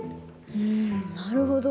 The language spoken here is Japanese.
うんなるほど。